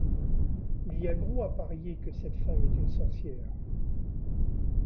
Il y a gros à parier que cette femme est une sorcière.